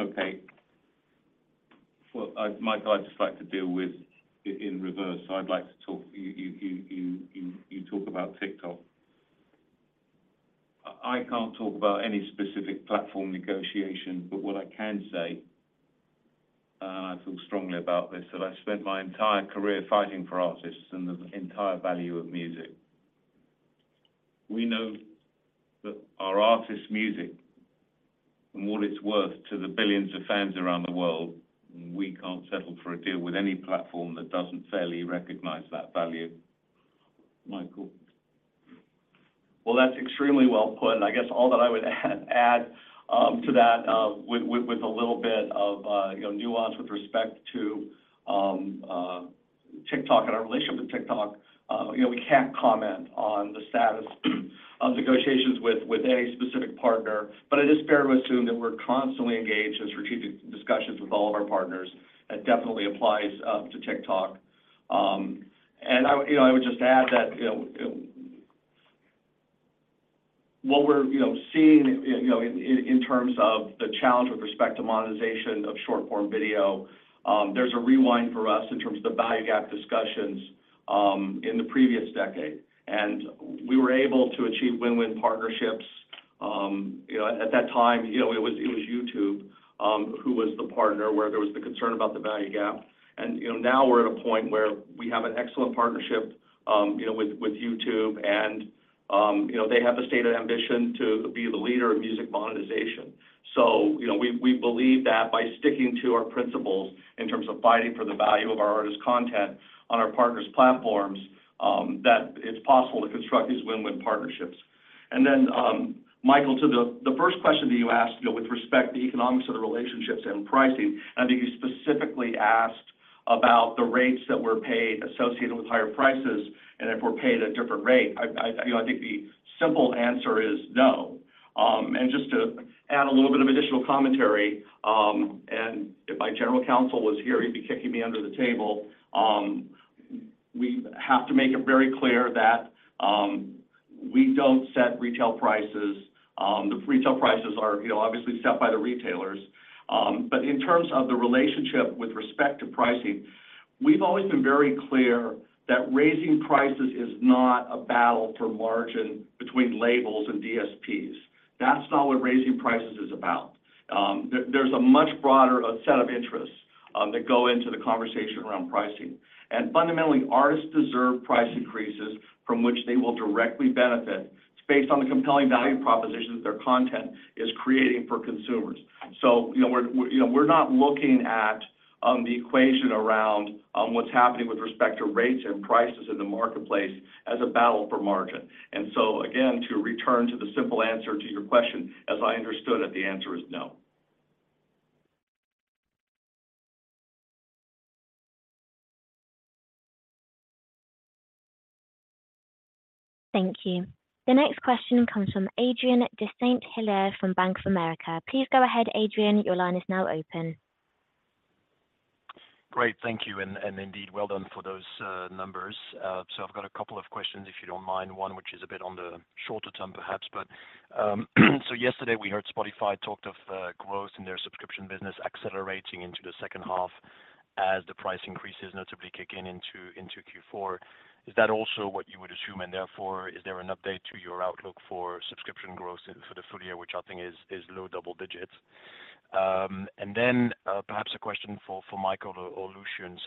Okay. Well, I, Michael, I'd just like to deal with it in reverse. I'd like to talk, you talk about TikTok. I can't talk about any specific platform negotiation, but what I can say, I feel strongly about this, that I spent my entire career fighting for artists and the entire value of music. We know that our artists' music and what it's worth to the billions of fans around the world, we can't settle for a deal with any platform that doesn't fairly recognize that value. Michael? Well, that's extremely well put, and I guess all that I would add to that, with a little bit of, you know, nuance with respect to TikTok and our relationship with TikTok, you know, we can't comment on the status of negotiations with any specific partner. But it is fair to assume that we're constantly engaged in strategic discussions with all of our partners, and definitely applies to TikTok. And I would, you know, I would just add that, you know, what we're, you know, seeing, you know, in terms of the challenge with respect to monetization of short-form video, there's a rewind for us in terms of the value gap discussions in the previous decade. And we were able to achieve win-win partnerships. You know, at that time, you know, it was YouTube, who was the partner where there was the concern about the value gap. You know, now we're at a point where we have an excellent partnership with YouTube, they have a stated ambition to be the leader of music monetization. You know, we believe that by sticking to our principles in terms of fighting for the value of our artists' content on our partners' platforms, that it's possible to construct these win-win partnerships. Michael, to the first question that you asked, you know, with respect to the economics of the relationships and pricing, and I think you specifically asked about the rates that were paid associated with higher prices and if we're paid at a different rate. I, you know, I think the simple answer is no. Just to add a little bit of additional commentary, if my general counsel was here, he'd be kicking me under the table, we have to make it very clear that we don't set retail prices. The retail prices are, you know, obviously set by the retailers. In terms of the relationship with respect to pricing, we've always been very clear that raising prices is not a battle for margin between labels and DSPs. That's not what raising prices is about. There's a much broader set of interests that go into the conversation around pricing. Fundamentally, artists deserve price increases from which they will directly benefit. It's based on the compelling value propositions their content is creating for consumers. You know, we're, you know, we're not looking at the equation around what's happening with respect to rates and prices in the marketplace as a battle for margin. Again, to return to the simple answer to your question, as I understood it, the answer is no. Thank you. The next question comes from Adrien de Saint Hilaire from Bank of America. Please go ahead, Adrien. Your line is now open. Great. Thank you. Indeed, well done for those numbers. I've got a couple of questions, if you don't mind. One, which is a bit on the shorter term, perhaps. Yesterday we heard Spotify talked of growth in their subscription business accelerating into the second half as the price increases, notably kicking in into Q4. Is that also what you would assume? Therefore, is there an update to your outlook for subscription growth for the full year, which I think is low double digits. Perhaps a question for Michael or Lucian.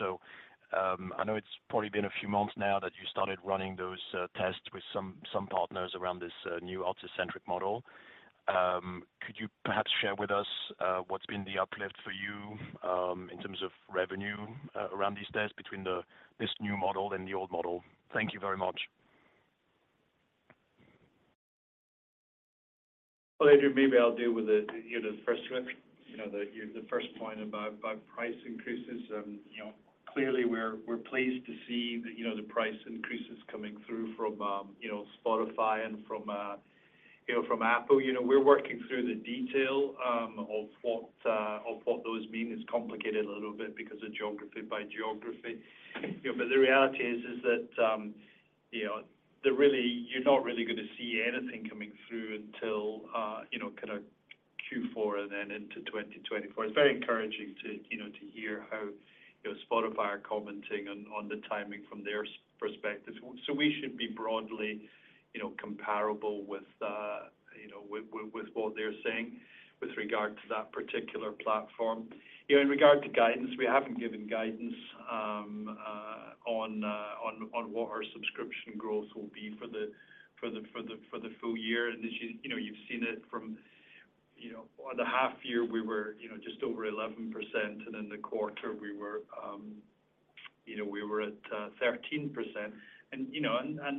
I know it's probably been a few months now that you started running those tests with some partners around this new artist-centric model. Could you perhaps share with us, what's been the uplift for you, in terms of revenue, around these tests between this new model and the old model? Thank you very much. Well, Adrien, maybe I'll deal with the, you know, the first one, you know, the first point about price increases. You know, clearly, we're pleased to see the, you know, the price increases coming through from, you know, Spotify and from, you know, from Apple. You know, we're working through the detail of what of what those mean. It's complicated a little bit because of geography by geography. You know, but the reality is that, you know, you're not really gonna see anything coming through until, you know, kind of Q4 and then into 2024. It's very encouraging to, you know, to hear how, you know, Spotify are commenting on the timing from their perspective. We should be broadly, you know, comparable with, you know, with, with what they're saying with regard to that particular platform. You know, in regard to guidance, we haven't given guidance on what our subscription growth will be for the full year. You know, you've seen it from, you know, on the half year, we were, you know, just over 11%, and then the quarter we were, you know, we were at 13%. You know, and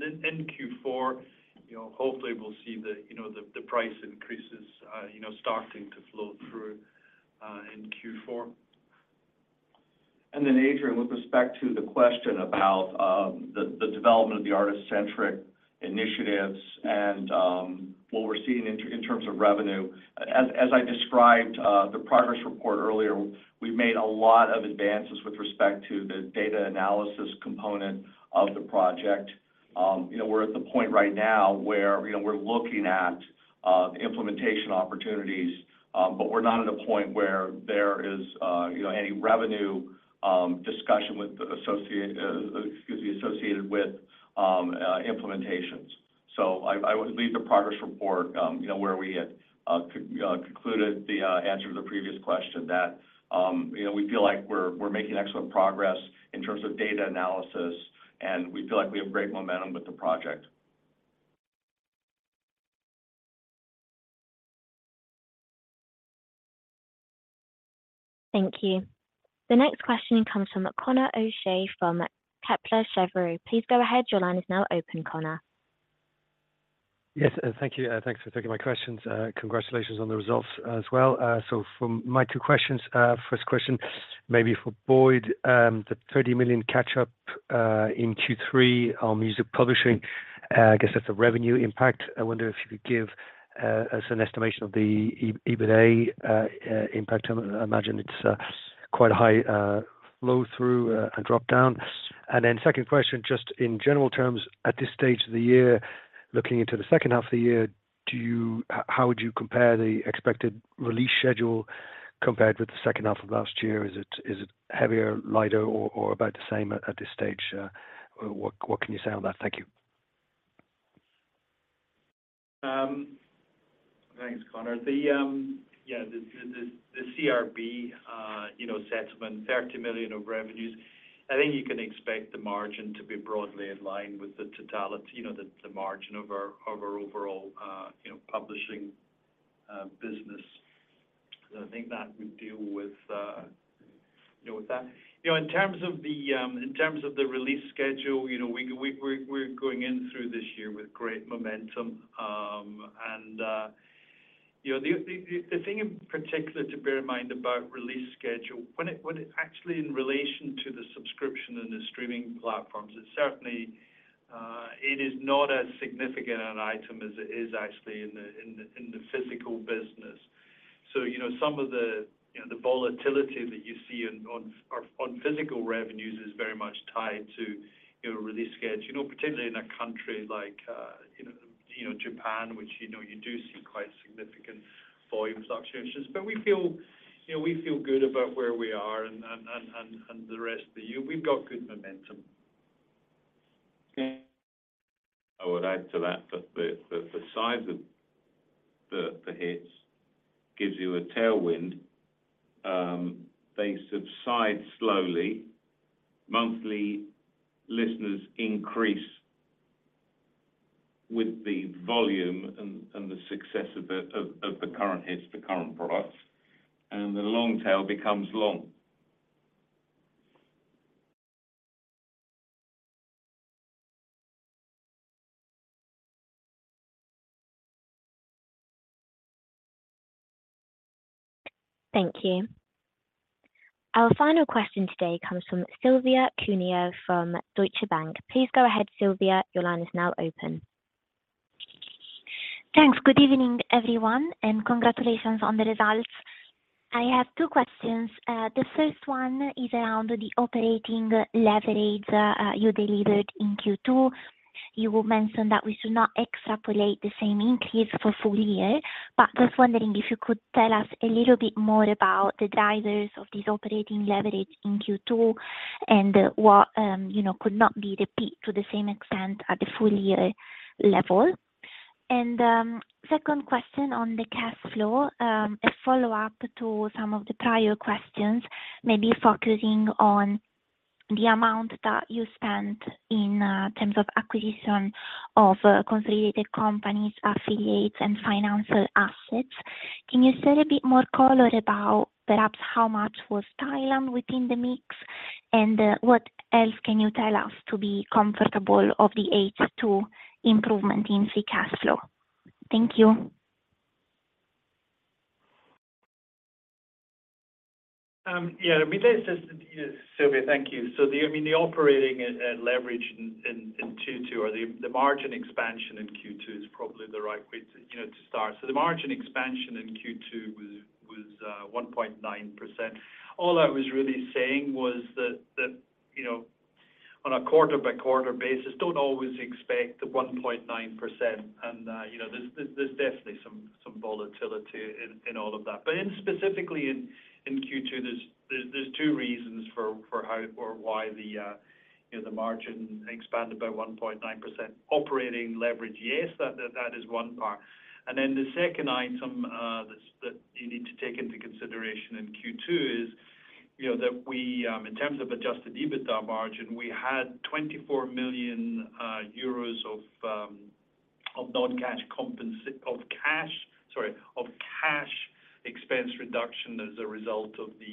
in Q4, you know, hopefully we'll see the, you know, the price increases, you know, starting to flow through in Q4. Then, Adrien, with respect to the question about the development of the artist-centric initiatives and what we're seeing in terms of revenue. As I described the progress report earlier, we've made a lot of advances with respect to the data analysis component of the project. You know, we're at the point right now where, you know, we're looking at the implementation opportunities, but we're not at a point where there is, you know, any revenue discussion with associated, excuse me, associated with implementations. I would leave the progress report, you know, where we had concluded the answer to the previous question, that, you know, we feel like we're making excellent progress in terms of data analysis, and we feel like we have great momentum with the project. Thank you. The next question comes from Conor O'Shea from Kepler Cheuvreux. Please go ahead. Your line is now open, Conor. Yes, thank you. Thanks for taking my questions. Congratulations on the results as well. From my 2 questions, first question, maybe for Boyd. The 30 million catch up in Q3 on Music Publishing, I guess that's a revenue impact. I wonder if you could give us an estimation of the EBITDA impact. I imagine it's quite a high flow through and dropdown. 2nd question, just in general terms, at this stage of the year, looking into the 2nd half of the year, how would you compare the expected release schedule compared with the 2nd half of last year? Is it heavier, lighter, or about the same at this stage? What can you say on that? Thank you. Thanks, Conor. The, yeah, the CRB, you know, settlement, 30 million of revenues, I think you can expect the margin to be broadly in line with the totality, you know, the margin of our overall, you know, publishing business. I think that would deal with, you know, with that. You know, in terms of the, in terms of the release schedule, you know, we're going in through this year with great momentum. You know, the thing in particular to bear in mind about release schedule, when it. Actually, in relation to the subscription and the streaming platforms, it certainly, it is not as significant an item as it is actually in the physical business. you know, some of the, you know, the volatility that you see in on physical revenues is very much tied to, you know, release schedule. You know, particularly in a country like, you know, you know, Japan, which, you know, you do see quite significant volume fluctuations. We feel, you know, we feel good about where we are and the rest of the year. We've got good momentum. I would add to that the, the size of the hits gives you a tailwind. They subside slowly. Monthly listeners increase with the volume and the success of the current hits, the current products. The long tail becomes long. Thank you. Our final question today comes from Silvia Cuneo from Deutsche Bank. Please go ahead, Silvia. Your line is now open. Thanks. Good evening, everyone, and congratulations on the results. I have two questions. The first one is around the operating leverage you delivered in Q2. You mentioned that we should not extrapolate the same increase for full year. Just wondering if you could tell us a little bit more about the drivers of this operating leverage in Q2 and what, you know, could not be repeat to the same extent at the full year level? Second question on the cash flow. A follow-up to some of the prior questions, maybe focusing on the amount that you spent in terms of acquisition of consolidated companies, affiliates, and financial assets. Can you share a bit more color about perhaps how much was Thailand within the mix, and what else can you tell us to be comfortable of the H2 improvement in free cash flow? Thank you. Yeah, I mean, there's just... Silvia, thank you. The, I mean, the operating leverage in Q2 or the margin expansion in Q2 is probably the right way to, you know, to start. The margin expansion in Q2 was 1.9%. All I was really saying was that, you know, on a quarter-by-quarter basis, don't always expect the 1.9%. You know, there's definitely some volatility in all of that. In specifically in Q2, there's 2 reasons for how or why, you know, the margin expanded by 1.9%. Operating leverage, yes, that is 1 part. The second item, that you need to take into consideration in Q2 is, you know, that we, in terms of adjusted EBITDA margin, we had 24 million euros of non-cash of cash, sorry, of cash expense reduction as a result of the,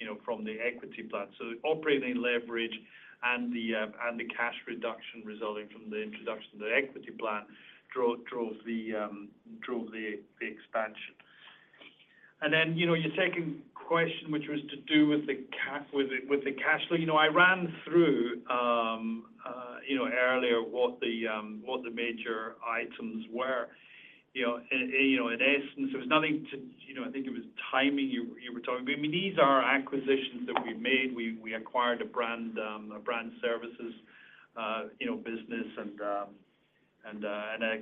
you know, from the equity plan. The operating leverage and the cash reduction resulting from the introduction of the equity plan drove the expansion. Your second question, which was to do with the cash flow. You know, I ran through, you know, earlier what the major items were. You know, and, you know, in essence, there was nothing to, you know, I think it was timing you were talking. I mean, these are acquisitions that we've made. We acquired a brand, a brand services, you know, business and a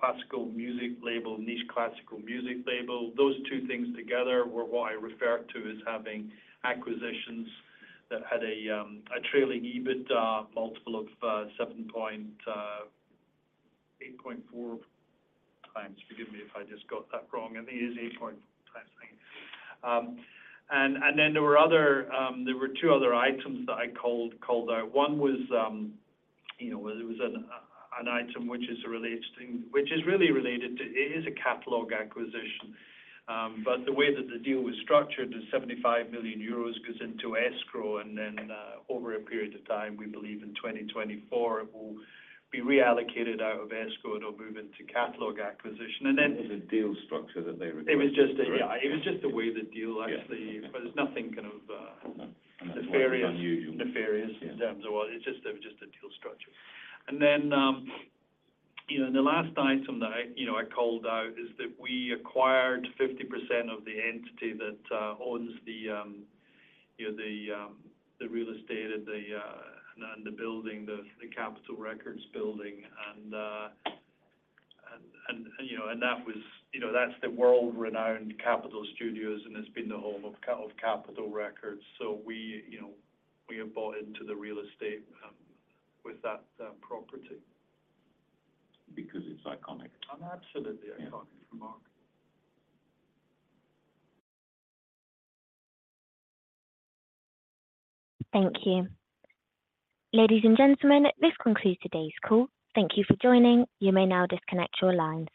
classical music label, niche classical music label. Those two things together were what I refer to as having acquisitions that had a trailing EBITDA multiple of 8.4 times. Forgive me if I just got that wrong. I think it is 8 times thing. Then there were other two other items that I called out. One was, you know, it was an item which is really related to, it is a catalog acquisition. The way that the deal was structured is 75 million euros goes into escrow, and then, over a period of time, we believe in 2024, it will be reallocated out of escrow, and it'll move into catalog acquisition. It was a deal structure that they requested, correct? It was just. Yeah, it was just the way the deal. Yeah. It's nothing kind of. No. - nefarious. Unusual. Nefarious in terms of what... It's just a deal structure. You know, the last item that I, you know, I called out is that we acquired 50% of the entity that owns the, you know, the real estate and the building, the Capitol Records building. You know, and that was, you know, that's the world-renowned Capitol Studios, and it's been the home of Capitol Records. We, you know, we have bought into the real estate with that property. It's iconic. Absolutely iconic. Thank you. Ladies and gentlemen, this concludes today's call. Thank you for joining. You may now disconnect your lines.